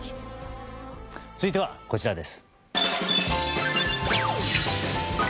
続いてはこちらです。